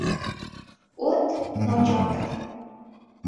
O’t nochordir